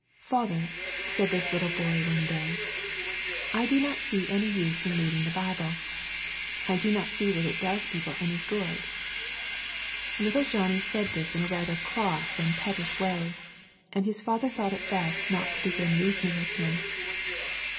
" Father," said this little boy one day, " I do not see any use in reading the Bible. I do not see that it does people any good." — Little Johnny said this in a rather cross and pettish way, and his father thought it best not to begin reasoning with him.